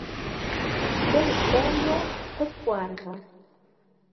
Selektearje it foarige.